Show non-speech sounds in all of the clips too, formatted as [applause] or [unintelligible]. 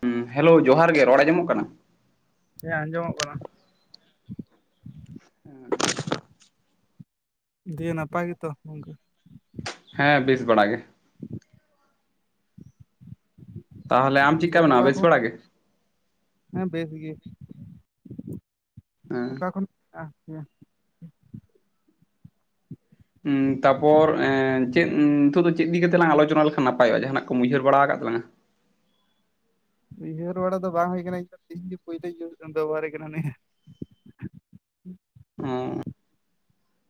ᱦᱩᱸ ᱦᱮᱞᱳ ᱡᱚᱦᱟᱨ ᱜᱮ ᱨᱚᱲ ᱟᱸᱡᱚᱢᱚᱜ ᱠᱟᱱᱟ ᱦᱮᱸ ᱟᱸᱡᱚᱢᱚᱜ ᱠᱟᱱᱟ [unintelligible] ᱫᱤᱭᱮ ᱱᱟᱯᱟᱭ ᱜᱮᱛᱚ ᱜᱚᱢᱠᱮ ᱦᱮᱸ ᱵᱤᱥ ᱵᱟᱲᱟ ᱜᱮ [inaudible] ᱛᱟᱦᱚᱞᱮ ᱟᱢ ᱪᱮᱫᱠᱟ ᱢᱮᱱᱟᱢᱟ ᱚᱠᱟ ᱵᱮᱥ ᱠᱷᱚᱱ ᱵᱟᱲᱟᱜ ᱜᱮ ᱦᱮᱸ ᱵᱮᱥ ᱜᱮ ᱦᱮᱸ ᱚᱠᱟ ᱠᱷᱚᱱ [unintelligible] ᱦᱮᱸ ᱛᱟᱯᱚᱨ ᱮ ᱪᱮᱫ ᱱᱤᱛᱚᱜ ᱫᱚ ᱪᱮᱫ ᱤᱫᱤ ᱠᱟᱛᱮᱞᱟᱝ ᱟᱞᱳᱪᱚᱱᱟ ᱞᱮᱠᱷᱟᱱ ᱱᱟᱯᱟᱭᱚᱜ-ᱟ ᱡᱟᱦᱟᱱᱟᱜ ᱠᱚ ᱩᱭᱦᱟᱹᱨ ᱵᱟᱲᱟ ᱟᱠᱟᱫ ᱛᱟᱞᱟᱝᱟ ᱩᱭᱦᱟᱹᱨ ᱵᱟᱲᱟ ᱫᱚ ᱵᱟᱝ ᱦᱩᱭ ᱠᱟᱱᱟ ᱤᱧᱫᱚ ᱛᱮᱦᱤᱧ ᱜᱮ ᱯᱩᱭᱞᱳᱧ ᱵᱮᱵᱚᱦᱟᱨᱮ ᱠᱟᱱᱟ ᱱᱤᱭᱟᱹ ᱩᱸ [unintelligible] ᱚᱸ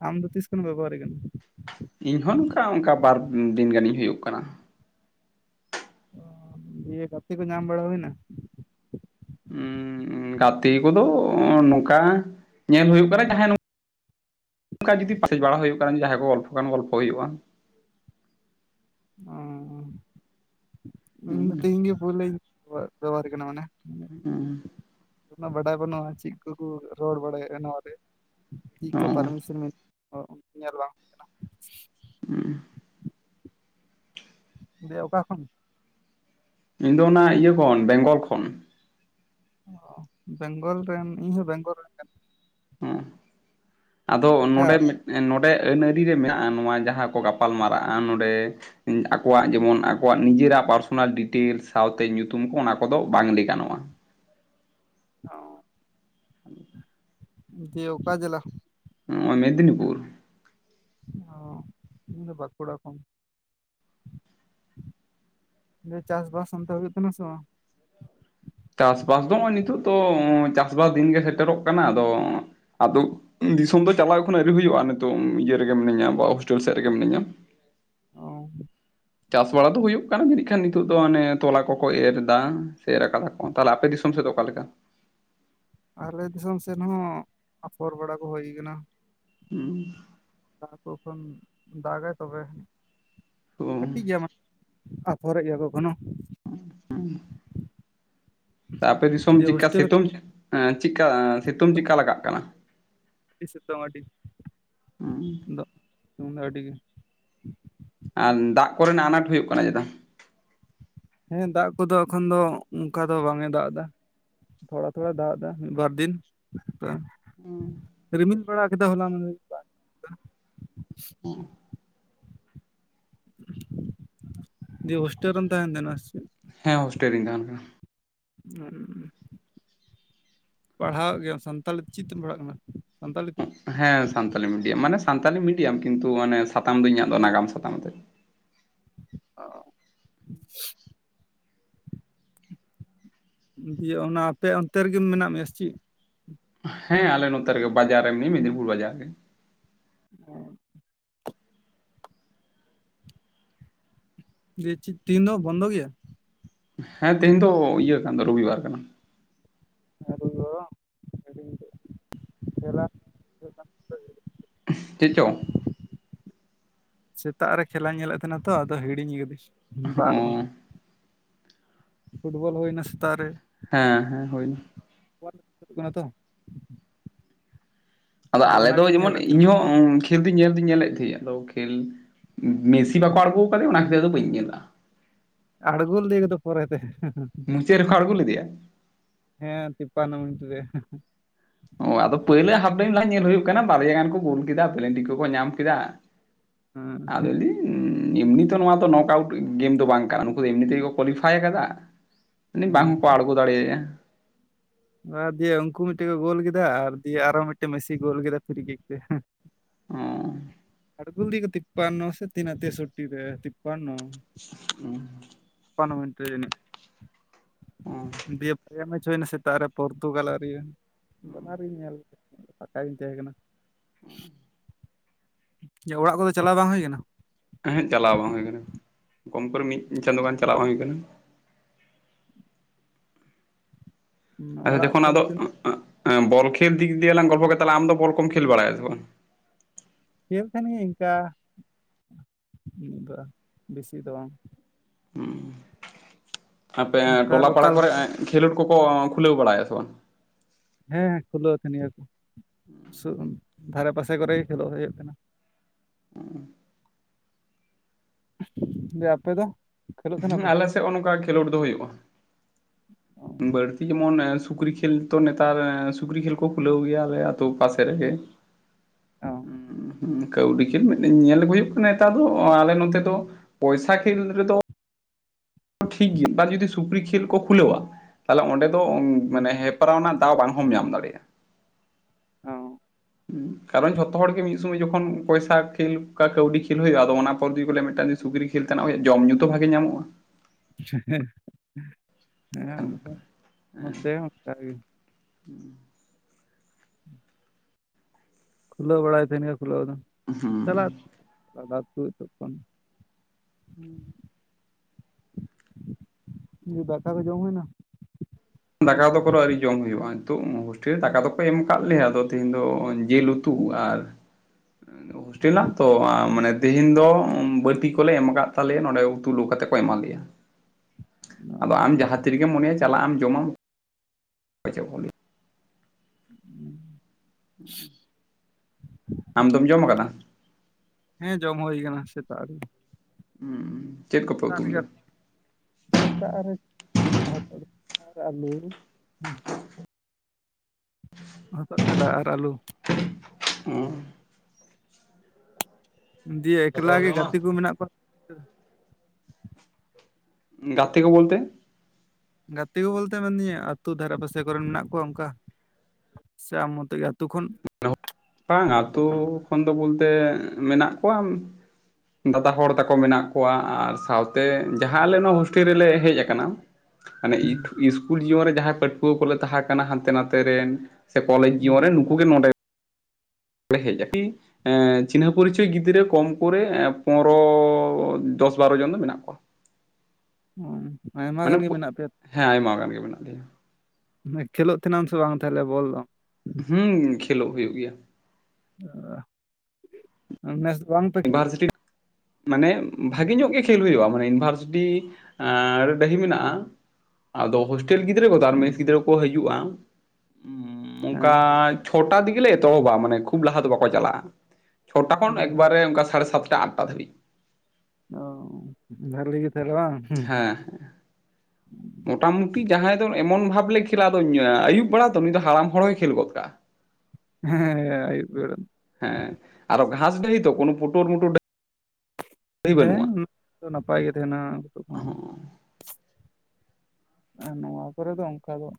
ᱟᱢ ᱫᱚ ᱛᱤᱥ ᱠᱷᱚᱱᱮᱢ ᱵᱮᱵᱚᱦᱟᱨᱮ ᱠᱟᱱᱟ ᱤᱧ ᱦᱚᱸ ᱱᱚᱝᱠᱟ ᱚᱱᱠᱟ ᱵᱟᱨ ᱫᱤᱱ ᱜᱟᱱᱤᱧ ᱦᱩᱭᱩᱜ ᱠᱟᱱᱟ ᱤᱭᱟᱹ ᱜᱟᱛᱮ ᱠᱚ ᱧᱟᱢ ᱵᱟᱲᱟ ᱦᱩᱭᱱᱟ ᱩ ᱜᱟᱛᱮ ᱠᱚᱫᱚ ᱱᱚᱝᱠᱟ ᱧᱮᱞ ᱦᱩᱭᱩᱜ ᱠᱟᱱᱟ ᱡᱟᱦᱟᱸ ᱚᱱᱠᱟ ᱡᱩᱫᱤ ᱯᱟᱥᱮᱡ ᱵᱟᱲᱟ ᱦᱩᱭᱩᱜ ᱠᱟᱱᱟ ᱡ ᱡᱟᱦᱟᱸᱭ ᱠᱚ ᱜᱚᱞᱯᱚ ᱠᱟᱱ ᱜᱚᱞᱯᱚ ᱦᱩᱭᱩᱜ-ᱟ ᱚ ᱤᱧᱫᱚ ᱦᱩᱸ ᱛᱮᱦᱤᱧ ᱜᱮ ᱯᱳᱭᱞᱳ ᱵᱮᱵᱚᱦᱟᱨ ᱠᱟᱱᱟ ᱢᱟᱱᱮ ᱦᱸ ᱩᱱᱟᱹᱜ ᱵᱟᱰᱟᱭ ᱵᱟᱹᱱᱩᱜ-ᱟ ᱪᱮᱫ ᱠᱚᱠᱚ ᱨᱚᱲ ᱵᱟᱲᱟᱭᱮᱫ-ᱟ ᱱᱚᱣᱟᱨᱮ ᱪᱮᱫ ᱠᱚ ᱚ ᱯᱟᱨᱢᱤᱥᱮᱱ ᱠᱩ ᱧᱮᱞ ᱵᱟᱝ ᱦᱩᱭ ᱠᱟᱱᱟ ᱦᱩᱢᱸ ᱫᱤᱭᱮ ᱚᱠᱟ ᱠᱷᱚᱱ ᱤᱧ ᱫᱚ ᱚᱱᱟ ᱤᱭᱟᱹ ᱠᱷᱚᱱ ᱵᱮᱝᱜᱚᱞ ᱠᱷᱚᱱ ᱚ ᱵᱮᱝᱜᱚᱞ ᱨᱮᱱ ᱤᱧ ᱦᱚᱸ ᱵᱮᱝᱜᱚᱞ ᱨᱮᱱ ᱠᱟᱱᱟ ᱦᱩᱸ ᱟᱫᱚ ᱚᱠᱟ ᱱᱚᱸᱰᱮ ᱱᱚᱸᱰᱮ ᱟᱹᱱ ᱟᱹᱨᱤ ᱨᱮ ᱢᱮᱱᱟᱜ-ᱟ ᱱᱚᱣᱟ ᱡᱟᱦᱟᱸ ᱠᱚ ᱜᱟᱯᱟᱞ ᱢᱟᱨᱟᱜ-ᱟ ᱱᱚᱰᱮ ᱟᱠᱚᱣᱟᱜ ᱡᱮᱢᱚᱱ ᱟᱠᱚᱣᱟᱜ ᱱᱤᱡᱮᱨᱟᱜ ᱯᱟᱨᱥᱳᱱᱟᱞ ᱰᱤᱴᱮᱞᱥ ᱥᱟᱶᱛᱮ ᱧᱩᱛᱩᱢ ᱠᱚ ᱚᱱᱟ ᱠᱚᱫᱚ ᱵᱟᱝᱞ ᱜᱟᱱᱚᱜ-ᱟ ᱚᱸ ᱫᱤᱭᱮ ᱚᱠᱟ ᱡᱮᱞᱟ? ᱱᱚᱣᱟ ᱚᱭ ᱢᱮᱫᱱᱤᱯᱩᱨ᱾ ᱚ, ᱤᱧ ᱫᱚ ᱵᱟᱸᱠᱩᱲᱟ ᱠᱷᱚᱱ᱾ ᱡᱮ ᱪᱟᱥᱵᱟᱥ ᱚᱱᱛᱮ ᱦᱩᱭᱩᱜ ᱠᱟᱱᱟ ᱥᱮ ᱵᱟᱝ? ᱪᱟᱥᱵᱟᱥ ᱫᱚ ᱱᱚᱜᱼᱚᱭ ᱱᱤᱛᱚᱜ ᱫᱚ, ᱪᱟᱥᱵᱟᱥ ᱫᱤᱱ ᱜᱮ ᱥᱮᱴᱮᱨᱚᱜ ᱠᱟᱱᱟ᱾ ᱟᱫᱚ ᱟᱫᱚ ᱫᱤᱥᱚᱢ ᱫᱚ ᱪᱟᱞᱟᱣ ᱮᱠᱷᱚᱱᱚ ᱟᱹᱣᱨᱤ ᱦᱩᱭᱩᱜᱼᱟ ᱱᱤᱛᱚᱜ, ᱤᱭᱟᱹ ᱨᱮᱜᱮ ᱢᱤᱱᱟᱹᱧᱟ ᱟᱵᱚᱣᱟᱜ ᱦᱳᱥᱴᱮᱞ ᱥᱮᱫ ᱨᱮᱜᱮ ᱢᱤᱱᱟᱹᱧ-ᱟ᱾ ᱚᱻ ᱪᱟᱥ ᱵᱟᱲᱟ ᱫᱚ ᱦᱩᱭᱩᱜ ᱠᱟᱱᱟ ᱡᱟᱹᱱᱤᱡ ᱠᱷᱟᱱ ᱱᱤᱛᱚᱜ ᱫᱚ ᱾ ᱚᱱᱮ ᱛᱚᱞᱟ ᱠᱚᱠᱚ ᱮᱨ ᱮᱫᱟ ᱥᱮ ᱮᱨ ᱟᱠᱟᱫᱟ ᱠᱚ᱾ ᱛᱟᱦᱚᱞᱮ ᱟᱯᱮ ᱫᱤᱥᱚᱢ ᱥᱮᱫ ᱫᱚ ᱚᱠᱟ ᱞᱮᱠᱟ? ᱟᱞᱮ ᱫᱤᱥᱚᱢ ᱥᱮᱱ ᱦᱚᱸ ᱟᱯᱷᱚᱨ ᱵᱟᱲᱟ ᱠᱚ ᱦᱳᱭ ᱠᱟᱱᱟ᱾ ᱦᱮᱸ ᱫᱚ ᱠᱚ ᱠᱷᱚᱱ ᱫᱟᱜ ᱜᱟᱭ ᱛᱚᱵᱮ ᱛᱚ ᱠᱟᱹᱴᱤᱡ [unintelligible] ᱟᱯᱷᱚᱨ ᱮᱜ ᱜᱮᱭᱟ ᱠᱚ ᱮᱠᱷᱚᱱᱳ᱾ ᱟᱯᱮ ᱫᱤᱥᱚᱢ ᱫᱤᱭᱮ ᱪᱮᱠᱠᱟ ᱦᱳᱥᱴᱮᱞ ᱨᱮ ᱥᱮᱛᱳᱝ? ᱦᱮᱸ ᱪᱮᱫᱠᱟ, ᱥᱮᱛᱳᱝ ᱪᱮᱫ ᱠᱟ ᱞᱟᱜᱟᱜ ᱠᱟᱱᱟ? ᱟᱹᱰᱤ ᱥᱤᱛᱩᱝ ᱟᱹᱰᱤ ᱾ ᱦᱩᱸ [unintelligible] ᱟᱹᱰᱤ ᱜᱮ᱾ ᱟᱨ ᱫᱟᱜ ᱠᱚ ᱨᱮᱱᱟᱜ ᱟᱱᱟᱴ ᱦᱩᱭᱩᱜ ᱠᱟᱱᱟ ᱪᱮᱫᱟ? ᱦᱮᱸ ᱫᱟᱜ ᱠᱚᱫᱚ ᱮᱠᱷᱚᱱ ᱫᱚ, ᱚᱱᱠᱟ ᱫᱚ ᱵᱟᱝ ᱮ ᱫᱟᱜ ᱮᱫᱟ᱾ ᱛᱷᱚᱲᱟ ᱛᱷᱚᱲᱟᱭ ᱫᱟᱜ ᱮᱫᱟ ᱢᱤᱫ ᱵᱟᱨ ᱫᱤᱱ᱾ [inaudible] ᱦᱮᱸ [unintelligible] ᱨᱤᱢᱤᱞ ᱵᱟᱲᱟ ᱠᱮᱫᱟ ᱦᱚᱞᱟ ᱢᱟᱫᱷᱮᱨ ᱢᱤᱫ ᱵᱟᱨ ᱾ ᱦᱮᱸ [unintelligible] ᱫᱤᱭᱮ ᱦᱚᱥᱴᱮᱞ ᱨᱮᱢ ᱛᱟᱦᱮᱱ ᱛᱟᱦᱮᱸ ᱟ ᱥᱮ ᱪᱮᱫ? ᱦᱮᱸ ᱦᱳᱥᱴᱮᱞ ᱨᱤᱧ ᱛᱟᱦᱮᱱ ᱠᱟᱱᱟ᱾ [inaudible] ᱯᱟᱲᱦᱟᱣ ᱮᱫ ᱜᱮᱭᱟᱢ ᱾ ᱥᱟᱱᱛᱟᱞᱤ ᱛᱮ ᱪᱤᱫ ᱛᱮᱢ ᱯᱟᱲᱦᱟᱜ ᱠᱟᱱᱟ ᱥᱟᱱᱛᱟᱞᱤ ᱛᱮ᱾ ᱦᱮᱸ ᱥᱟᱱᱛᱟᱞᱤ ᱢᱤᱰᱤᱭᱟᱢ᱾ ᱢᱟᱱᱮ ᱥᱟᱱᱛᱟᱞᱤ ᱢᱤᱰᱤᱭᱟᱢ ᱠᱤᱱᱛᱩ ᱢᱟᱱᱮ ᱥᱟᱛᱟᱢ ᱫᱚ ᱤᱧᱟᱹᱜ ᱫᱚ ᱱᱟᱜᱟᱢ ᱥᱟᱛᱟᱢ ᱛᱮ᱾ ᱚ [inaudible] ᱫᱤᱭᱮ ᱚᱱᱟ ᱟᱯᱮ ᱚᱱᱛᱮ ᱨᱮᱜᱮᱢ ᱢᱮᱱᱟᱜ ᱢᱮᱭᱟ ᱥᱤ ᱪᱤᱫ? ᱦᱮᱸ ᱟᱞᱮ ᱱᱚᱛᱮ ᱨᱮᱜᱮ, ᱵᱟᱡᱟᱨ ᱨᱮ ᱢᱤᱱᱟᱹᱧ-ᱟ ᱢᱮᱫᱱᱤᱯᱩᱨ ᱵᱟᱡᱟᱨ ᱨᱮ᱾ ᱦᱮᱸ ᱫᱤᱭᱮ ᱪᱤᱫ ᱛᱤᱱ ᱫᱚ ᱵᱚᱱᱫᱚ ᱜᱮᱭᱟ? ᱦᱮᱸ ᱛᱮᱦᱮᱧ ᱫᱚ ᱤᱭᱟᱹ ᱠᱟᱱᱟ ᱫᱚ ᱨᱚᱵᱤᱵᱟᱨ ᱠᱟᱱᱟ᱾ ᱦᱮᱸ ᱨᱚᱵᱤᱵᱟᱨ [unintelligible] [inaudible] ᱪᱤᱫ ᱪᱚᱝ ᱥᱮᱛᱟᱜ ᱨᱮ ᱠᱷᱮᱞᱟᱧ ᱧᱮᱞᱮᱫ ᱛᱟᱦᱮᱱᱟ ᱛᱚ᱾ ᱟᱫᱚ ᱦᱤᱲᱤᱧ ᱟᱠᱟᱫᱟᱹᱧ ᱵᱟᱨ ᱚ ᱦᱚᱸ᱾ ᱯᱷᱩᱴᱵᱚᱞ ᱦᱩᱭᱱᱟ ᱥᱮᱛᱟᱜ ᱨᱮ᱾ ᱦᱮᱸ ᱦᱮᱸ ᱦᱳᱭ ᱱᱟ᱾ [unintelligible] ᱟᱫᱚ ᱡᱮ ᱟᱞᱮ ᱫᱚ ᱚᱱᱟᱜᱤᱧ ᱡᱮᱢᱚᱱ ᱧᱮᱞᱮᱫ ᱛᱟᱦᱮᱱᱟ ᱤᱧᱦᱚᱸ ᱠᱷᱮᱞ ᱫᱚ ᱧᱮᱞ ᱫᱩᱧ ᱧᱮᱞ ᱮᱫ ᱛᱟᱦᱮᱸ᱾ ᱟᱫᱚ ᱠᱷᱮᱞ ᱢᱮᱥᱤ ᱵᱟᱠᱚ ᱟᱬᱜᱚ ᱟᱠᱟᱫᱮᱭᱟ ᱚᱱᱟ ᱠᱷᱟᱹᱛᱤᱨ ᱫᱚ ᱵᱟᱹᱧ ᱧᱮᱞ ᱞᱟᱜ-ᱟ᱾ ᱟᱲᱜᱳ ᱞᱮᱫᱮᱭᱟ ᱠᱚ ᱯᱚᱨᱮᱛᱮ᱾ ᱢᱩᱪᱟᱹᱫ ᱨᱮ ᱠᱚ ᱟᱲᱜᱩ ᱞᱮᱫᱮᱭᱟ? ᱦᱮᱸ ᱛᱤᱯᱟᱱᱱᱚ ᱢᱤᱱᱤᱴ ᱨᱮ᱾ ᱚ ᱟᱫᱚ ᱯᱟᱹᱭᱞᱟᱹ ᱦᱟᱯ ᱴᱟᱭᱤᱢ ᱞᱟᱦᱟ ᱧᱮᱞ ᱦᱳᱭᱳᱜ ᱠᱟᱱᱟ ᱾ᱵᱟᱨᱭᱟ ᱜᱟᱱ ᱠᱚ ᱜᱳᱞ ᱠᱮᱫᱟ᱾ ᱯᱞᱮᱱᱴᱤᱠ ᱠᱚ ᱧᱟᱢ ᱠᱮᱫᱟ᱾ ᱦᱮᱸ [unintelligible] ᱩᱸ ᱮᱢᱱᱤ ᱛᱚ ᱱᱚᱣᱟ ᱫᱚ ᱱᱚᱠ ᱟᱣᱩᱴ ᱜᱮᱢ ᱫᱚ ᱵᱟᱝ ᱠᱟᱱᱟ ᱱᱩᱠᱩ ᱫᱚ ᱮᱢᱱᱤ ᱛᱮᱜᱮ ᱠᱚ ᱠᱳᱣᱟᱞᱤᱯᱷᱟᱭ ᱠᱟᱫᱟ᱾ ᱵᱟᱝ ᱦᱮᱸ ᱠᱚ ᱟᱲᱜᱩ ᱫᱟᱲᱮᱭᱮᱭᱟ᱾ ᱟᱨ ᱫᱤᱭᱮ ᱩᱱᱠᱩ ᱢᱤᱫᱴᱮᱡ ᱠᱚ ᱜᱳᱞ ᱠᱮᱫᱟ, ᱟᱨ ᱫᱤᱭᱮ ᱟᱨᱚ ᱢᱤᱫᱴᱮᱡ ᱢᱮᱥᱤ ᱜᱳᱞ ᱠᱮᱫᱟ ᱯᱷᱨᱤ ᱠᱤᱠ ᱛᱮ᱾ ᱚ ᱟᱲᱜᱩ ᱞᱤᱫᱤᱭᱟᱠᱚ ᱛᱤᱯᱟᱱᱱᱚ ᱥᱮ ᱛᱤᱱᱟᱹᱜ ᱛᱮᱥᱳᱴᱴᱤ ᱨᱮ ᱛᱤᱯᱟᱱᱱᱚ [inaudible] ᱛᱤᱯᱟᱱᱚ ᱢᱤᱱᱤᱴ ᱨᱮ ᱡᱟᱹᱱᱤᱡ, ᱫᱤᱭᱮ ᱵᱟᱨᱭᱟ ᱢᱮᱪ ᱦᱩᱭᱱᱟ ᱥᱮᱛᱟᱜ ᱨᱮ᱾ ᱯᱚᱨᱛᱩᱜᱟᱞ ᱜᱟᱞᱟᱨᱤ ᱵᱟᱱᱟᱨᱤᱧ ᱧᱮᱞ ᱯᱷᱟᱠᱟ ᱜᱤᱧ ᱛᱟᱦᱮᱸ ᱠᱟᱱᱟ᱾ ᱡᱮ ᱚᱲᱟᱜ ᱠᱚᱫᱚ ᱪᱟᱞᱟᱣ ᱵᱟᱝ ᱦᱩᱭ ᱠᱟᱱᱟ? ᱮᱸᱦᱮᱸᱜ ᱪᱟᱞᱟᱣ ᱵᱟᱝ ᱦᱩᱭ ᱠᱟᱱᱟ ᱾ᱠᱚᱢ ᱠᱚᱨᱮ ᱢᱤᱫ ᱪᱟᱸᱫᱳ ᱜᱟᱱ ᱪᱟᱞᱟᱜ ᱵᱟᱝ ᱦᱩᱭ ᱠᱟᱱᱟ᱾ ᱟᱪᱪᱷᱟ ᱚᱲᱟᱜ ᱡᱚᱠᱷᱚᱱ ᱠᱷᱚᱱ ᱟᱫᱚ ᱛᱤᱱᱟᱹᱜ ᱵᱚᱞ ᱠᱷᱮᱞ ᱫᱤᱠ ᱫᱤᱭᱮ ᱞᱟᱝ ᱜᱚᱞᱯᱷᱚ ᱠᱮᱫ᱾ ᱛᱟᱦᱟᱞᱮ ᱟᱢ ᱫᱚ ᱵᱚᱞ ᱠᱚᱢ ᱠᱷᱮᱞ ᱵᱟᱲᱟᱭᱟ ᱥᱮ ᱵᱟᱝ? ᱠᱷᱮᱞ ᱛᱟᱦᱮᱱ ᱜᱤᱭᱟᱹᱧ ᱤᱱᱠᱟ, ᱢᱤᱫ ᱵᱟᱨ ᱵᱮᱥᱤ ᱫᱚ ᱵᱟᱝ᱾ ᱦᱩᱸ ᱟᱯᱮ ᱱᱚᱝᱠᱟ ᱴᱚᱞᱟᱯᱟᱲᱟ ᱞᱳᱠᱟᱞ ᱠᱚᱨᱮ ᱠᱷᱮᱞᱳᱰ ᱠᱚᱠᱚ ᱠᱷᱩᱞᱟᱹᱣ ᱵᱟᱲᱟᱭ ᱮᱜ-ᱟ ᱥᱮ ᱵᱟᱝ᱾ ᱦᱮᱸ ᱦᱮᱸ ᱠᱷᱩᱞᱟᱹᱣ ᱛᱟᱦᱮ ᱱᱤᱭᱟᱹ ᱠᱚ [inaudible] ᱫᱷᱟᱨᱮ ᱯᱟᱥᱮ ᱠᱚᱨᱮ ᱜᱮ ᱠᱷᱮᱞᱳᱜ ᱦᱳᱭᱳᱜ ᱠᱟᱱᱟ᱾ ᱚᱸ ᱫᱤᱭᱮ ᱟᱯᱮ ᱫᱚ ᱠᱷᱮᱞᱳᱜ ᱦᱩᱸ ᱛᱟᱦᱮᱱᱟᱯᱮ? ᱟᱞᱮ ᱥᱮᱫ ᱦᱚᱸ ᱱᱚᱠᱟ ᱠᱷᱮᱞᱳᱰ ᱫᱚ ᱦᱩᱭᱩᱜᱼᱟ᱾ [inaudible] ᱵᱟᱹᱲᱛᱤ ᱡᱮᱢᱚᱱ ᱥᱩᱠᱨᱤ ᱠᱷᱮᱞ ᱛᱚ ᱱᱮᱛᱟᱨ ᱥᱩᱠᱨᱤ ᱠᱷᱮᱞ ᱠᱚ ᱠᱷᱩᱞᱟᱹᱣ ᱜᱮᱭᱟ ᱟᱞᱮ ᱟᱹᱛᱩ ᱯᱟᱥᱮ ᱨᱮᱜᱮ᱾ ᱚᱸ ᱠᱟᱹᱣᱰᱤ ᱠᱷᱮᱞ ᱢᱤᱫᱴᱮᱱ ᱧᱮᱞ ᱦᱩᱭᱩᱜ ᱠᱟᱱᱟ᱾ ᱱᱮᱛᱟᱨ ᱫᱚ ᱟᱞᱮ ᱱᱚᱱᱛᱮ ᱫᱚ ᱯᱚᱭᱥᱟ ᱠᱷᱮᱞ ᱨᱮᱫᱚ ᱴᱷᱤᱠ ᱜᱤ ᱵᱟᱝ ᱡᱩᱫᱤ ᱥᱩᱠᱨᱤ ᱠᱷᱮᱞ ᱠᱚ ᱠᱷᱩᱞᱟᱹᱣᱼᱟ, ᱛᱟᱦᱚᱞᱮ ᱚᱸᱰᱮ ᱫᱚ ᱢᱟᱱᱮ ᱦᱮᱯᱲᱟᱣ ᱨᱮᱱᱟᱜ ᱛᱟᱣ ᱵᱟᱝ ᱦᱚᱢ ᱧᱟᱢ ᱫᱟᱲᱮᱭᱟᱜᱼᱟ᱾ ᱚᱸ ᱠᱟᱨᱚᱱ ᱡᱷᱚᱛᱚ ᱦᱚᱲ ᱜᱮ ᱢᱤᱫ ᱥᱩᱢᱚᱭ ᱡᱚᱠᱷᱚᱱ ᱯᱚᱭᱥᱟ ᱠᱷᱮᱞ ᱠᱟᱹᱣᱰᱤ ᱠᱷᱮᱞ ᱦᱩᱭᱩᱜᱼᱟ ᱟᱫᱚ ᱚᱱᱟ ᱯᱚᱨ ᱡᱩᱫᱤ ᱠᱚ ᱞᱟᱹᱭᱟ ᱢᱤᱫᱴᱮᱱ ᱥᱩᱠᱨᱤ ᱠᱷᱮᱞ ᱛᱮᱱᱟᱜ ᱦᱩᱭᱩᱜ ᱡᱚᱢ ᱧᱩᱸ ᱛᱚ ᱵᱷᱟᱜᱮ ᱧᱟᱢᱚᱜᱼᱟ᱾ ᱦᱮᱸ ᱠᱷᱟᱱ ᱚᱱᱠᱟ ᱱᱚᱛᱮ ᱦᱚ ᱚᱱᱠᱟ ᱜᱮ᱾ ᱠᱷᱩᱞᱟᱹᱣ ᱵᱟᱲᱟᱭ ᱛᱟᱦᱮᱱ ᱜᱮ ᱠᱷᱩᱞᱟᱹᱣ ᱫᱚ ᱦᱩᱸ ᱪᱟᱞᱟᱜ [unintelligible] ᱛᱚᱠᱷᱚᱱ᱾ ᱦᱩᱸ᱾ ᱫᱤᱭᱮ ᱫᱟᱠᱟ ᱠᱚ ᱡᱚᱢ ᱦᱩᱭᱱᱟ? ᱫᱟᱠᱟ ᱫᱚ ᱠᱚᱨᱚ ᱟᱹᱣᱨᱤ ᱡᱚᱢ ᱦᱩᱭᱩᱜᱼᱟ᱾ ᱱᱤᱛᱚᱜ ᱦᱳᱥᱴᱮᱞ ᱨᱮ ᱫᱟᱠᱟ ᱫᱚᱠᱚ ᱮᱢ ᱠᱟᱫ ᱞᱮᱭᱟ ᱟᱫᱚ ᱛᱤᱦᱤᱧ ᱫᱚ ᱡᱤᱞ ᱩᱛᱩ ᱟᱨ [inaudible] ᱦᱳᱥᱴᱮᱞ ᱨᱮᱱᱟᱜ ᱛᱚ ᱢᱟᱱᱮ ᱛᱤᱦᱤᱧ ᱫᱚ ᱵᱟᱹᱛᱤ ᱠᱚᱞᱮ ᱮᱢ ᱠᱟᱫ ᱛᱟᱞᱮᱭᱟ ᱱᱚᱸᱰᱮ ᱩᱛᱩ ᱞᱩ ᱠᱟᱛᱮᱫ ᱠᱚ ᱮᱢᱟ ᱞᱮᱭᱟ᱾ [inaudible] ᱟᱫᱚ ᱟᱢ ᱡᱟᱦᱟᱸ ᱛᱤ ᱨᱮᱜᱮᱢ ᱢᱚᱱᱮᱭᱟ ᱪᱟᱞᱟᱜ ᱟᱢ ᱡᱚᱢᱟᱢ᱾ [unintelligible] ᱦᱮᱸ᱾ ᱟᱢ ᱫᱚᱢ ᱡᱚᱢ ᱟᱠᱟᱫᱟ? ᱦᱮᱸ ᱡᱚᱢ ᱦᱩᱭ ᱠᱟᱱᱟ ᱥᱮᱛᱟᱜ ᱨᱮ᱾ ᱦᱩᱸ᱾ [unintelligible] ᱥᱮᱛᱟᱜ ᱨᱮ ᱦᱚᱛᱚᱜ ᱟᱨ ᱟᱹᱞᱩ᱾ ᱦᱚᱛᱚᱫ ᱠᱷᱟᱰᱟ ᱟᱨ ᱟᱹᱞᱩ᱾ [unintelligible] ᱫᱤᱭᱮ ᱮᱠᱞᱟ ᱜᱮ ᱜᱟᱛᱮ ᱠᱩ ᱢᱮᱱᱟᱜ ᱠᱚᱣᱟ ᱾ ᱜᱟᱛᱮ ᱠᱩ ᱵᱳᱞᱛᱮ ᱾ ᱜᱟᱛᱮ ᱠᱚ ᱵᱳᱞᱛᱮ ᱢᱮᱱᱫᱤᱧ ᱟᱹᱛᱩ ᱫᱷᱟᱨᱮ ᱯᱟᱥᱮ ᱠᱚᱨᱮᱱ ᱢᱮᱱᱟᱜ ᱠᱚᱣᱟ ᱚᱝᱠᱟ ᱾ ᱥᱮ ᱟᱢ ᱢᱚᱛᱚ ᱜᱮ ᱟᱹᱛᱩ ᱠᱷᱚᱱ ᱾ ᱵᱟᱝᱟ ᱛᱩ ᱠᱷᱚᱱ ᱫᱚ ᱵᱳᱞᱛᱮ ᱢᱮᱱᱟᱜ ᱠᱚᱣᱟ᱾ ᱫᱟᱫᱟ ᱦᱚᱲ ᱛᱟᱠᱚ ᱢᱮᱱᱟᱜ ᱠᱚᱣᱟ, ᱟᱨ ᱥᱟᱶᱛᱮ ᱡᱟᱦᱟᱸ ᱟᱞᱮ ᱱᱚᱣᱟ ᱦᱳᱥᱴᱮᱞ ᱨᱮᱞᱮ ᱦᱮᱡ ᱟᱠᱟᱱᱟ᱾ ᱢᱟᱱᱮ ᱦᱩᱸ ᱤᱥᱠᱩᱞ ᱡᱤᱭᱚᱱ ᱨᱮ ᱡᱟᱦᱟᱸᱭ ᱯᱟᱹᱴᱷᱩᱣᱟᱹ ᱠᱚ ᱛᱟᱦᱮᱸ ᱠᱟᱱᱟ ᱦᱟᱱᱛᱮ ᱱᱟᱛᱮ ᱨᱮᱱ ᱾ ᱥᱮ ᱠᱚᱞᱮᱡᱽ ᱦᱩᱸ ᱡᱤᱭᱚᱱ ᱨᱮ ᱱᱩᱠᱩ ᱜᱮ ᱱᱚᱰᱮ, ᱦᱮᱡ ᱟᱠᱟᱱᱟ, ᱠᱤ ᱪᱤᱱᱦᱟᱹ ᱯᱚᱨᱤᱪᱚᱭ ᱜᱤᱫᱽᱨᱟᱹ ᱠᱚᱢ ᱠᱚᱨᱮ, ᱯᱚᱱᱨᱚ ᱫᱚᱥ ᱵᱟᱨᱚ ᱡᱚᱱ ᱫᱚ ᱢᱮᱱᱟᱜ ᱠᱚᱣᱟ ᱾ ᱚ ᱟᱭᱢᱟ ᱢᱟᱱᱮ ᱜᱟᱱ ᱜᱮ ᱢᱮᱱᱟᱜ ᱯᱮᱭᱟ ᱦᱮᱸ ᱟᱭᱢᱟ ᱜᱟᱱ ᱜᱮ ᱢᱮᱱᱟᱜ ᱞᱮᱭᱟ ᱾ ᱠᱷᱮᱞᱳᱜ ᱛᱟᱦᱮᱱᱟᱢ ᱥᱮ ᱵᱟᱝ ᱛᱟᱦᱚᱞᱮ ᱵᱚᱞ ᱫᱚ? ᱦᱮᱸ ᱠᱷᱮᱞᱳᱜ ᱦᱩᱭᱩᱜ ᱜᱮᱭᱟ ᱾ ᱱᱮᱥ ᱵᱟᱝ ᱯᱮ, ᱢᱟᱱᱮ ᱵᱷᱟᱜᱮ ᱧᱚᱜ ᱜᱮ ᱠᱷᱮᱞ ᱦᱩᱭᱩᱜᱼᱟ, ᱢᱟᱱᱮ ᱤᱸᱵᱷᱟᱨ ᱥᱮᱴᱤ, ᱟᱨ ᱰᱟᱹᱦᱤ ᱢᱮᱱᱟᱜᱼᱟ ᱾ ᱟᱫᱚ ᱦᱳᱥᱴᱮᱞ ᱜᱤᱫᱽᱨᱟᱹ ᱠᱚᱫᱚ ᱟᱨ ᱦᱩᱸ ᱢᱮᱥ ᱜᱤᱫᱽᱨᱟᱹ ᱠᱚ ᱠᱚ ᱦᱤᱡᱩᱜᱼᱟ, ᱦᱮᱸ ᱚᱝᱠᱟ ᱪᱷᱚᱴᱟ ᱫᱤᱠ ᱞᱮ ᱮᱛᱚᱦᱚᱵᱟ, ᱢᱟᱱᱮ ᱠᱷᱩᱵ ᱞᱟᱦᱟ ᱫᱚ ᱵᱟᱠᱚ ᱪᱟᱞᱟᱜᱼᱟ ᱾ ᱪᱷᱚᱴᱟ ᱠᱷᱚᱱ ᱮᱠ ᱦᱩᱸ, ᱚᱱᱠᱟ ᱥᱟᱲᱮ ᱥᱟᱛᱴᱟ ᱟᱴᱴᱟ ᱫᱷᱟᱹᱵᱤᱡ᱾ [unintelligible] ᱦᱮᱸ ᱢᱚᱴᱟ ᱢᱩᱴᱤ ᱡᱟᱦᱟᱸᱭ ᱫᱚ ᱮᱢᱚᱱ ᱵᱷᱟᱵ ᱞᱮ ᱠᱷᱮᱞᱟ ᱫᱩᱹᱧ ᱟᱹᱭᱩᱵ ᱵᱮᱲᱟ ᱫᱚ ᱩᱱᱤ ᱫᱚ ᱦᱟᱲᱟᱢ ᱦᱚᱲᱜᱮᱭ ᱠᱷᱮᱞ ᱜᱚᱫ ᱠᱟᱜᱼᱟ ᱾ ᱦᱮᱸ ᱟᱭᱩᱵ ᱵᱮᱲ ᱦᱮᱸ ᱟᱫᱚ ᱜᱷᱟᱥ ᱰᱤᱦᱤ ᱛᱚ ᱯᱩᱴᱩᱨ ᱢᱩᱴᱩᱨ ᱰᱟᱹᱦᱤ ᱦᱮᱸ ᱵᱟᱹᱱᱩᱜᱼᱟ ᱫᱚ ᱱᱟᱯᱟᱭ ᱜᱮ ᱛᱟᱦᱮᱱᱟ ᱾ ᱟᱨ ᱱᱚᱣᱟ ᱠᱚᱨᱮ ᱫᱚ ᱚᱱᱠᱟ ᱫᱚ,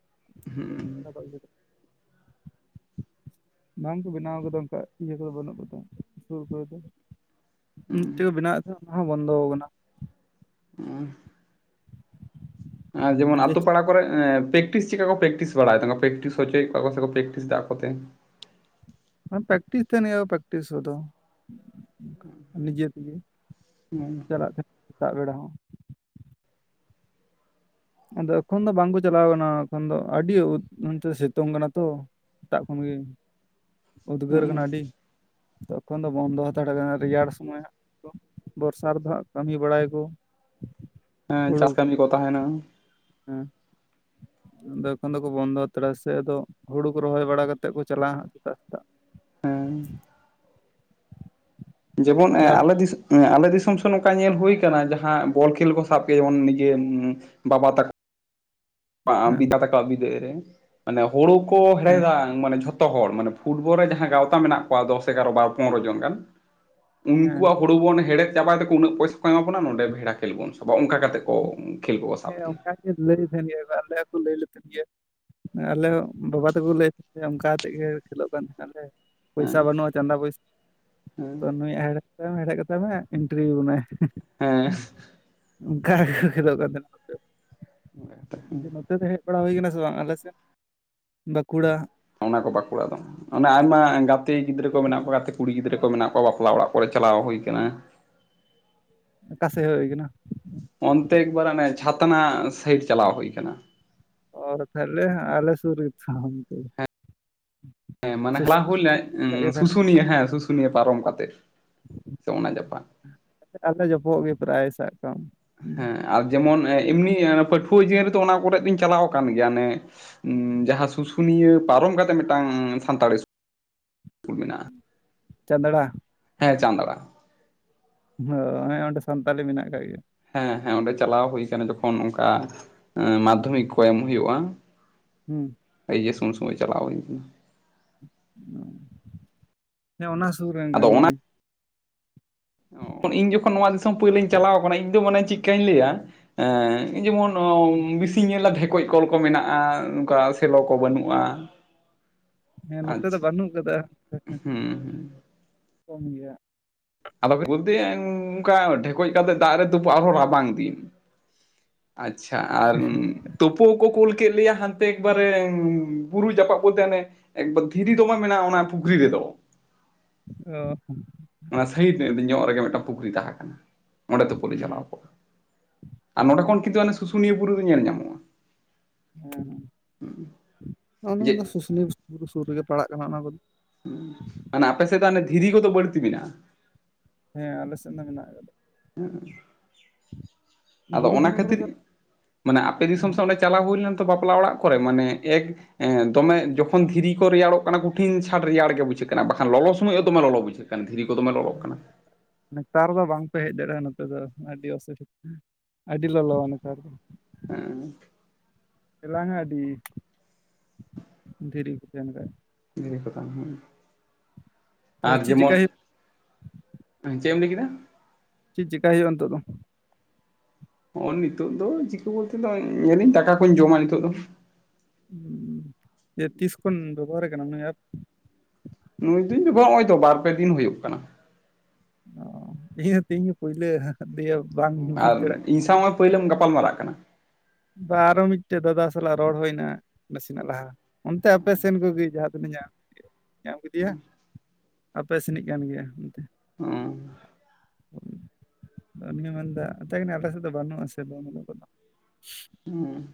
ᱦᱩᱸ [inaudible] ᱵᱟᱝ ᱠᱚ ᱵᱮᱱᱟᱣ ᱠᱟᱫᱟ, ᱚᱱᱠᱟ ᱤᱭᱟᱹ ᱠᱚᱫᱚ ᱵᱟᱹᱱᱩᱜ ᱠᱟᱫᱟ ᱥᱩᱨ ᱠᱚᱨᱮ ᱫᱚ ᱢᱤᱫ ᱛᱮᱱ ᱠᱚ ᱵᱮᱱᱟᱣ ᱮ ᱛᱟᱦᱮᱸᱱᱟ ᱚᱱᱟ ᱦᱚᱸ ᱵᱚᱱᱫᱚ ᱟᱠᱟᱱᱟ ᱾ [unintelligible] ᱡᱮᱢᱚᱱ ᱡᱮ ᱟᱛᱳ ᱯᱟᱲᱟ, ᱯᱮᱠᱴᱤᱥ ᱪᱮᱠᱟ ᱠᱚ ᱯᱨᱮᱠᱴᱤᱥ ᱵᱟᱲᱟᱭᱮᱫᱟ ᱯᱮᱠᱴᱤᱥ ᱦᱚᱪᱚᱭᱮᱫ ᱠᱚᱣᱟ ᱥᱮ ᱯᱨᱮᱠᱴᱤᱥ ᱫᱟ ᱟᱠᱚᱛᱮ? ᱯᱮᱠᱴᱤᱥ ᱛᱟᱦᱮ ᱱᱤᱭᱟᱹ ᱯᱮᱠᱴᱤᱥ ᱠᱚᱫᱚ ᱱᱤᱡᱮ ᱛᱮᱜᱮ ᱾ ᱦᱮᱸ ᱪᱟᱞᱟᱜ ᱛᱮ ᱥᱮᱛᱟᱜ ᱵᱮᱲᱟ ᱦᱚᱸ ᱟᱫᱚ ᱮᱠᱷᱚᱱ ᱫᱚ ᱵᱟᱝᱠᱚ ᱪᱟᱞᱟᱣ ᱠᱟᱱᱟ, ᱮᱠᱷᱚᱱ ᱫᱚ ᱟᱹᱰᱤ ᱛᱮ ᱥᱤᱛᱩᱝ ᱠᱟᱱᱟ ᱛᱚ ᱾ ᱥᱮᱛᱟᱜ ᱠᱷᱚᱱᱜᱮ, ᱩᱫᱽᱜᱟᱹᱨ ᱠᱟᱱᱟ ᱟᱹᱰᱤ ᱾ ᱛᱚᱠᱷᱚᱱ ᱫᱚ ᱵᱚᱱᱫᱚ ᱦᱟᱛᱟᱲ ᱠᱟᱱᱟ ᱨᱮᱭᱟᱲ ᱥᱚᱢᱚᱭ ᱦᱟᱜᱠᱚ ᱵᱚᱨᱥᱟ ᱨᱮᱫᱚ ᱦᱟᱸᱜ ᱠᱟᱹᱢᱤ ᱵᱟᱲᱟᱭᱟᱠᱚ ᱾ [inaudible] ᱦᱮᱸ ᱪᱟᱥ ᱠᱟᱹᱢᱤ ᱠᱚ ᱛᱟᱦᱮᱱᱟ ᱾ ᱦᱮᱸ ᱟᱫᱚ ᱮᱠᱷᱚᱱ ᱫᱚᱠᱚ ᱵᱚᱱᱫᱚ ᱦᱟᱛᱟᱲᱟ ᱥᱮ ᱟᱫᱚ ᱦᱩᱲᱩ ᱠᱚ ᱨᱚᱦᱚᱭ ᱵᱟᱲᱟ ᱠᱟᱛᱮᱫ ᱠᱚ ᱪᱟᱞᱟᱜᱼᱟ ᱦᱟᱸᱜ, ᱥᱮᱛᱟᱜ ᱥᱮᱛᱟᱜ, ᱦᱮᱸ ᱡᱮᱢᱚᱱ ᱟᱞᱮ ᱫᱤᱥ ᱟᱞᱮ ᱫᱤᱥᱚᱢ ᱥᱮᱱ ᱱᱚᱱᱠᱟ ᱧᱮᱞ ᱦᱩᱭ ᱟᱠᱟᱱᱟᱱᱟ, ᱡᱟᱦᱟᱸ ᱵᱚᱞ ᱠᱷᱮᱞ ᱠᱚ ᱥᱟᱵ ᱠᱮᱭᱟ ᱡᱮᱢᱚᱱ ᱱᱤᱡᱮ ᱵᱟᱵᱟ ᱛᱟᱠᱚ ᱾ ᱦᱮᱸ ᱵᱤᱫ ᱛᱟᱠᱚᱵᱤᱫ ᱨᱮ, ᱢᱟᱱᱮ ᱦᱩᱲᱩ ᱠᱚ ᱦᱮᱸ ᱦᱮᱲᱦᱮᱫᱟ ᱾ ᱢᱟᱱᱮ ᱡᱷᱚᱛᱚ ᱦᱚᱲ ᱢᱟᱱᱮ ᱯᱷᱩᱴᱵᱚᱞ ᱨᱮ ᱡᱟᱦᱟᱸ ᱜᱟᱶᱛᱟ ᱢᱮᱱᱟᱜ ᱠᱚᱣᱟ ᱫᱚᱥ ᱮᱜᱟᱨᱚ ᱵᱟᱨ ᱯᱚᱱᱨᱚ ᱡᱚᱱ ᱜᱟᱱ ᱦᱮᱸ ᱩᱱᱠᱩᱣᱟᱜ ᱦᱩᱲᱩ ᱵᱚᱱ ᱦᱮᱦᱮᱫ ᱪᱟᱵᱟᱭᱟᱠᱚ ᱩᱱᱟᱹᱜ ᱯᱚᱭᱥᱟ ᱠᱚ ᱮᱢᱟ ᱵᱚᱱᱟ ᱱᱚᱰᱮ ᱵᱷᱮᱲᱟ ᱠᱷᱮᱞ ᱵᱚᱱ ᱥᱟᱵᱟ ᱚᱱᱠᱟ ᱠᱟᱛᱮᱫ ᱠᱚ ᱠᱷᱮᱞ ᱠᱚᱠᱚ ᱥᱟᱵ ᱦᱮᱸ ᱜᱮᱭᱟ ᱚᱱᱠᱟ ᱜᱮ ᱞᱟᱹᱭ ᱛᱟᱦᱮᱱ ᱜᱮ ᱟᱞᱮᱠᱚ ᱞᱟᱹᱭ ᱞᱮ ᱛᱟᱦᱮᱱ ᱜᱮᱭᱟ ᱟᱞᱮ ᱵᱟᱵᱟ ᱛᱮᱠᱚ ᱞᱟᱹᱭᱮᱭᱟ ᱚᱱᱠᱟᱠᱟᱛᱮᱫ ᱜᱮ ᱠᱷᱮᱞᱳᱜ ᱠᱟᱱ ᱛᱟᱦᱮᱱᱟᱞᱮ ᱯᱚᱭᱥᱟ ᱦᱮᱸ ᱵᱟᱹᱱᱩᱜᱼᱟ ᱪᱟᱸᱫᱟ ᱯᱚᱭᱥᱟ ᱛᱚ ᱦᱮᱸ ᱱᱩᱭᱟᱜ ᱦᱮᱲ ᱦᱮᱲᱮᱡ ᱠᱟᱛᱟᱭ ᱢᱮ ᱮᱱᱴᱨᱤ ᱟᱵᱚᱱᱟᱭ ᱦᱮᱸ ᱠᱷᱮᱞᱚᱜ ᱠᱟᱱ ᱛᱟᱦᱮᱱᱟ ᱱᱚᱛᱮ ᱱᱚᱛᱮ ᱫᱚ ᱦᱮᱡ ᱵᱟᱲᱟ ᱦᱩᱭ ᱟᱠᱟᱱᱟ ᱥᱮ ᱵᱟᱝ ᱟᱞᱮᱥᱮᱫ ᱵᱟᱸᱠᱩᱲᱟ ᱚᱱᱟ ᱠᱚ ᱵᱟᱸᱠᱩᱲᱟ ᱫᱚ ᱚᱱᱮ ᱟᱭᱢᱟ ᱜᱟᱛᱮ ᱜᱤᱫᱽᱨᱟᱹ ᱠᱚ ᱢᱮᱱᱟᱜ ᱠᱚᱣᱟ ᱜᱟᱛᱮ ᱠᱚ ᱠᱩᱲᱤ ᱜᱤᱫᱽᱨᱟᱹ ᱠᱚ ᱢᱮᱱᱟᱜ ᱠᱚᱣᱟ ᱵᱟᱯᱞᱟ ᱚᱲᱟᱜ ᱠᱚᱲᱮ ᱪᱟᱞᱟᱣ ᱦᱩᱭ ᱠᱟᱱᱟ ᱚᱠᱟ ᱥᱮᱜ ᱦᱮᱡ ᱦᱩᱭ ᱠᱟᱱᱟ? ᱚᱱᱛᱮ ᱮᱠᱵᱟᱨᱟᱱᱮ ᱪᱷᱟᱛᱱᱟᱜ ᱥᱟᱹᱭᱤᱰ ᱪᱟᱞᱟᱣ ᱦᱩᱭ ᱠᱟᱱᱟ᱾ ᱚ ᱛᱟᱦᱚᱞᱮ ᱦᱟᱸ ᱟᱞᱮ ᱥᱩᱨ ᱜᱮ ᱛᱚ ᱚᱱᱛᱮ ᱫᱚ ᱦᱮᱸ ᱢᱟᱱᱮ ᱪᱟᱞᱟᱜ ᱥᱩᱥᱱᱤ ᱦᱩᱭ ᱠᱟᱜ ᱞᱮᱱᱟ ᱜᱮ ᱛᱟᱦᱚᱞᱮ ᱥᱩᱥᱩᱱᱤᱭᱟᱹ ᱦᱮᱸ ᱥᱩᱥᱩᱱᱤᱭᱟᱹ ᱯᱟᱨᱚᱢ ᱠᱟᱛᱮᱜ ᱥᱮ ᱚᱱᱟ ᱡᱟᱯᱟᱜ ᱟᱞᱮ ᱡᱚᱯᱚᱜ ᱜᱮ ᱯᱨᱟᱭ ᱥᱟᱜ ᱠᱟᱜ ᱢᱮ ᱦᱮᱸ ᱟᱨ ᱡᱮᱢᱚᱱ ᱮ ᱤᱢᱱᱤ ᱯᱟᱹᱴᱦᱩᱣ ᱡᱤᱭᱚᱱ ᱨᱮᱫᱚ ᱚᱱᱟ ᱠᱚᱨᱮᱜ ᱫᱩᱧ ᱪᱟᱞᱟᱣᱼᱠᱟᱱ ᱜᱮᱭᱟ ᱱᱮ ᱩᱸᱻ ᱡᱟᱦᱟᱸ ᱥᱩᱥᱩᱱᱤᱭᱟᱹ ᱯᱟᱨᱚᱢ ᱠᱟᱛᱮ ᱢᱤᱴᱟᱝ ᱥᱟᱱᱛᱟᱲ ᱮᱥ ᱠᱩᱞ ᱢᱮᱱᱟᱜ ᱪᱟᱸᱫᱲᱟ ᱦᱮᱸ ᱪᱟᱸᱫᱟᱲᱟ ᱦ ᱦᱮᱸ ᱚᱸᱰᱮ ᱥᱟᱱᱛᱟᱞᱤ ᱢᱮᱱᱟᱜ ᱟᱠᱟᱜ ᱜᱮᱭᱟ᱾ ᱦᱮᱸᱻᱦᱮᱸ ᱚᱸᱰᱮ ᱪᱟᱞᱟᱣ ᱦᱩᱭᱠᱟᱱᱟ ᱡᱚᱠᱷᱚᱱ ᱚᱝᱠᱟ ᱟᱸ ᱢᱟᱫᱽᱫᱷᱚᱢᱤᱠ ᱠᱚ ᱮᱢ ᱦᱩᱭᱩᱜᱼᱟ᱾ ᱦᱩᱸ ᱮᱭᱤᱪᱮᱥ ᱮᱢ ᱩᱱ ᱥᱚᱢᱚᱭ ᱪᱟᱞᱟᱣ ᱦᱩᱭ ᱠᱟᱱᱟ ᱦᱮᱸ ᱚᱱᱟ ᱥᱩᱨ ᱨᱮᱱ ᱠᱟᱱ ᱜᱤᱭᱟᱹᱧ᱾ ᱦᱚᱸ ᱤᱧ ᱡᱚᱠᱷᱚᱱ ᱱᱚᱣᱟ ᱫᱤᱥᱚᱢ ᱯᱩᱭᱞᱟᱹᱧ ᱪᱟᱞᱟᱣ ᱠᱟᱱᱟ ᱤᱧ ᱫᱚ ᱢᱟᱱᱮ ᱪᱤᱠᱟᱹᱧ ᱞᱟᱹᱭᱟ? ᱮᱸᱻ ᱡᱮᱢᱚᱱ ᱚᱸᱻ ᱵᱤᱥᱤᱧ ᱧᱮᱞᱟ ᱵᱷᱮᱠᱚᱡ ᱠᱚᱞ ᱠᱚ ᱢᱮᱱᱟᱜᱼᱟ ᱚᱱᱠᱟ ᱥᱮᱞᱚ ᱠᱚ ᱵᱟᱹᱱᱩᱜᱼᱟ᱾ ᱦᱮᱸ ᱱᱚᱛᱮ ᱫᱚ ᱟᱪᱪᱷᱟ ᱵᱟᱹᱱᱩᱜ ᱠᱟᱫᱟ ᱦᱩᱸ ᱦᱩᱸ [inaudible] ᱠᱚᱢ ᱜᱮᱭᱟ ᱟᱫᱚ ᱵᱩᱫᱷᱤᱭᱤᱟ. ᱧ ᱚᱝᱠᱟ ᱰᱷᱮᱠᱚᱡ ᱠᱟᱛᱮᱫ ᱫᱟᱜ ᱨᱮ ᱛᱩᱯᱩ ᱟᱨᱦᱚ ᱨᱟᱵᱟᱝ ᱫᱤᱱ ᱟᱪᱪᱷᱟ ᱟᱨᱼᱢ ᱛᱳᱯᱩᱜ ᱠᱚ ᱠᱳᱞ ᱠᱮᱫ ᱞᱮᱭᱟ ᱦᱟᱱᱛᱮ ᱮᱠᱵᱟᱨᱮ ᱩᱸ ᱵᱩᱨᱩ ᱡᱟᱯᱟᱜ ᱵᱚᱞᱛᱮ ᱦᱟᱱᱮ ᱮᱠᱵᱟᱫ ᱫᱷᱤᱨᱤ ᱫᱚᱢᱮ ᱢᱮᱱᱟᱜᱼᱟ ᱚᱱᱟ ᱯᱩᱠᱷᱨᱤ ᱨᱮᱫᱚ᱾ ᱚ ᱚᱱᱟ ᱥᱟ. ᱭᱤᱰ ᱧᱚᱜ ᱨᱮᱜᱮ ᱢᱤᱫᱴᱟ ᱯᱩᱠᱷᱨᱤ ᱛᱟᱦᱮᱸ ᱠᱟᱱᱟ ᱚᱸᱰᱮ ᱛᱩᱯᱩᱞᱮ ᱦᱩᱸ ᱪᱟᱞᱟᱣ ᱠᱚᱜᱼᱟ ᱟᱨ ᱱᱚᱰᱮ ᱠᱷᱚᱱ ᱠᱤᱱᱛᱩ ᱥᱩᱥᱩᱱᱤᱭᱟᱹ ᱵᱩᱨᱩ ᱧᱮᱞ ᱧᱟᱢᱚᱜᱼᱟ᱾ ᱦᱮᱸ ᱚᱱᱟ ᱡᱮ ᱫᱚ ᱥᱩᱥᱩᱱᱤᱭᱟᱹ ᱵᱩᱨᱩ ᱥᱩᱨ ᱨᱮᱜᱮ ᱯᱟᱲᱟᱜ ᱠᱟᱱᱟ ᱚᱱᱟ ᱠᱚ ᱟᱱᱟ ᱟᱯᱮ ᱥᱮᱫ ᱫᱚ ᱟᱱᱮ ᱫᱷᱤᱨᱤ ᱠᱚᱫᱚ ᱵᱟᱹᱲᱛᱤ ᱢᱮᱱᱟᱜᱼᱟ? ᱦᱮᱸ ᱟᱞᱮ ᱥᱮᱱ ᱫᱚ ᱦᱮᱱᱟᱜ ᱟᱠᱟᱫᱟ᱾ ᱟᱫᱚ ᱵᱩᱨᱩ ᱚᱱᱟ ᱫᱷᱟᱨᱮ ᱠᱚᱨᱮ ᱠᱷᱟᱹᱛᱤᱨ ᱫᱚ ᱢᱟᱱᱮᱜ ᱟᱯᱮ ᱫᱤᱥᱚᱢ ᱥᱚ ᱢᱮᱱᱟᱜ ᱚᱞᱮ ᱪᱟᱞᱟᱣ ᱦᱩᱭ ᱞᱮᱱ ᱛᱚ ᱵᱟᱯᱞᱟ ᱚᱲᱟᱜ ᱠᱚᱨᱮ ᱢᱟᱱᱮ ᱮᱠ ᱮᱸ ᱫᱚᱢᱮ ᱡᱚᱠᱦᱚᱱ ᱫᱷᱤᱨᱤ ᱠᱚ ᱨᱮᱭᱟᱲᱚᱜ ᱠᱟᱱᱟ ᱠᱩᱴᱷᱤᱱ ᱪᱷᱟᱴ ᱨᱮᱭᱟᱲ ᱜᱮ ᱵᱩᱡᱷᱟᱹᱜ ᱠᱟᱱᱟ ᱵᱟᱠᱷᱟᱱ ᱞᱚᱞᱚ ᱥᱚᱢᱚᱭ ᱫᱚᱢᱮ ᱞᱚᱞᱚ ᱵᱩᱡᱷᱟᱹᱜᱼᱟ᱾ ᱮᱠᱟᱱ ᱫᱷᱤᱨᱤ ᱠᱚ ᱫᱚᱢᱮ ᱞᱚᱞᱚᱜ ᱠᱟᱱᱟ᱾ ᱟᱠᱟᱫᱟ᱾ ᱱᱮᱛᱟᱨ ᱫᱚ ᱵᱟᱝᱯᱮ ᱦᱮᱡ ᱫᱟᱲᱮᱼᱟ ᱱᱚᱛᱮ ᱫᱚ ᱟᱹᱰᱤ ᱚᱥᱩ [unintelligible] ᱟᱹᱰᱤ ᱞᱚᱞᱚᱣᱟ ᱱᱮᱛᱟᱨ ᱫᱚ᱾ ᱦᱮᱸᱼᱮ ᱮᱞᱟᱝᱼᱟᱹᱰᱤ ᱫᱷᱤᱨᱤ ᱠᱚᱛᱮᱱ ᱠᱷᱟᱱ ᱾ ᱫᱷᱤᱨᱤ ᱠᱚ ᱛᱟᱦᱮᱱ ᱛᱟᱦᱚᱞᱮ ᱟᱨ ᱪᱮᱫ ᱡᱮᱢᱚᱱ ᱪᱮᱠᱟᱭ ᱦᱩᱭᱩᱜ ᱦᱮᱸ ᱪᱮ ᱮᱢ ᱞᱟ. ᱭ ᱠᱮᱫᱟ? ᱪᱮᱜ ᱪᱮᱠᱟ ᱦᱚᱭᱩᱜᱼᱟ ᱱᱤᱛᱚᱜ ᱫᱚ? ᱚ ᱱᱤᱛᱚᱜ ᱫᱚ ᱪᱤᱠᱟᱹ ᱛᱮ ᱫᱚ ᱧᱮᱞᱤᱧ ᱫᱟᱠᱟ ᱠᱩᱧ ᱡᱚᱢᱟ ᱱᱤᱛᱚᱜ ᱫᱚ᱾ ᱩᱸᱻ ᱡᱮ ᱛᱤᱥᱠᱷᱚᱱ ᱵᱮᱵᱦᱟᱨ ᱠᱟᱱᱟᱢ ᱱᱩᱭ ᱮᱯ? ᱱᱩᱭ ᱫᱩᱧ [inaudible] ᱱᱚᱜᱚᱭ ᱫᱚ ᱵᱟᱨ ᱯᱮ ᱫᱤᱱ ᱦᱩᱭᱩᱜ ᱠᱟᱱᱟ, ᱚ ᱤᱤᱦᱚ ᱛᱮᱦᱤᱧ ᱯᱳᱭᱞᱟᱹ ᱫᱮᱣ ᱟᱨ ᱤᱧ ᱥᱟᱶ ᱢᱟ ᱯᱟᱹᱭᱞᱟᱹᱢ ᱜᱟᱯᱟᱞ ᱢᱟᱨᱟᱜ ᱠᱟᱱᱟ ᱵᱟ ᱟᱨᱚ ᱢᱤᱜᱴᱟᱹ ᱫᱟᱫᱟ ᱥᱟᱞᱟᱜ ᱨᱚᱲ ᱦᱩᱭᱱᱟ ᱱᱟᱥᱮᱱᱟᱜ ᱞᱟᱦᱟ᱾ ᱚᱱᱛᱮ ᱟᱯᱮ ᱥᱮᱱ ᱠᱚᱜᱮ ᱡᱟᱦᱟ ᱛᱤᱱᱟᱹᱜ ᱧᱟᱢᱼᱠᱮ ᱧᱟᱢ ᱠᱮᱫᱮᱭᱟ ᱟᱯᱮ ᱥᱮᱱᱤᱜ ᱠᱟᱱ ᱜᱮᱭᱟ ᱚᱸᱛᱮ ᱚᱸ ᱟ ᱱᱤᱭᱟᱹ ᱢᱮᱱᱫᱟ ᱮᱛᱟᱭ ᱠᱟᱱᱟᱹ ᱟᱞᱮ ᱥᱮᱫ ᱫᱚ ᱵᱟᱹᱱᱩᱜ ᱟᱥᱮ ᱵᱟᱱᱩᱜ ᱟ ᱠᱚᱫᱚ᱾ ᱚᱸ